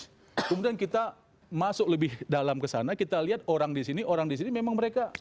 ini rematch kemudian kita masuk lebih dalam kesana kita lihat orang disini orang disini memang mereka